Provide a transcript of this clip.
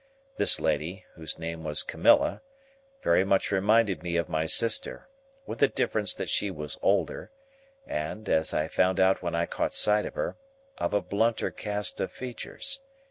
This lady, whose name was Camilla, very much reminded me of my sister, with the difference that she was older, and (as I found when I caught sight of her) of a blunter cast of features.